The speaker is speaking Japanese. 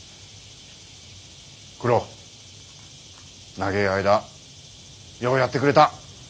長え間ようやってくれた。